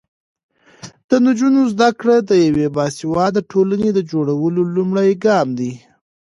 د نجونو زده کړه د یوې باسواده ټولنې د جوړولو لومړی ګام دی.